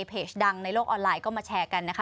ดังในโลกออนไลน์ก็มาแชร์กันนะคะ